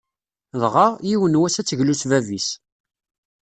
Dɣa, yiwen n wass ad teglu s bab-is.